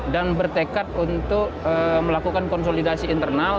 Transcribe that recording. dan bertekad untuk melakukan konsolidasi internal